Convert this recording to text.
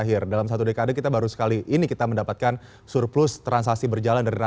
kalau kita lihat kinerja dari